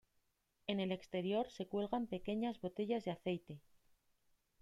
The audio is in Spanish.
En el exterior se cuelgan pequeñas botellas de aceite.